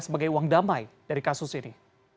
sebagai uang damai dari kasus ini